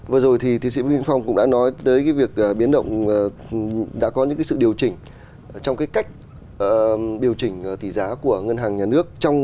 vừa rồi thì thí sĩ vinh phong cũng đã nói tới việc biến động đã có những sự điều chỉnh trong cách điều chỉnh tỷ giá của ngân hàng nhà nước